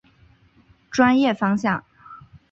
专业方向。